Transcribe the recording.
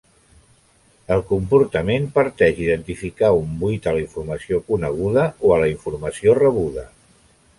El comportament parteix d'identificar un buit a la informació coneguda o a la informació rebuda.